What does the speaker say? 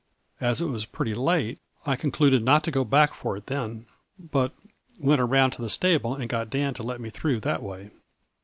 As it was pretty late I concluded not to go back for it then, but went around to the stable and got Dan to let me through that way.